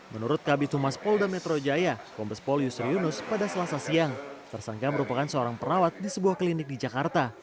menurut kabit humas polda metro jaya kombes pol yusri yunus pada selasa siang tersangka merupakan seorang perawat di sebuah klinik di jakarta